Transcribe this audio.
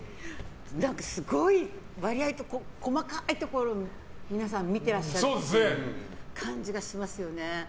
すごい細かいところ皆さん見てらっしゃる感じがしますよね。